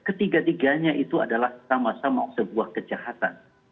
ketiga tiganya itu adalah sama sama sebuah kejahatan